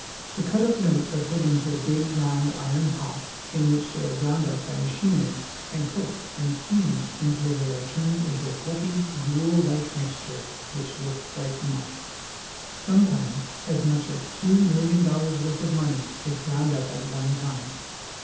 The cut notes are put into a big round iron pot, in which they are ground up by machinery and cooked and steamed until they are turned into a pulpy, gruel like mixture which looks Hke mush. Sometimes as much as two million dol lars' worth of money is ground up at one time.